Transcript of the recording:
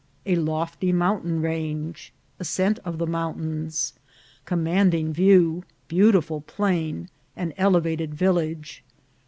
— A lofty Mountain Range. — Ascent of the Mountains.— Com manding View.— Beautiful Plain. — An elevated Village.